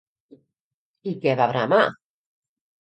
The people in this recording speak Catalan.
I què va bramar?